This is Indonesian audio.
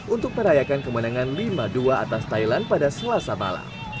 untuk merayakan kemenangan lima dua atas thailand pada selasa malam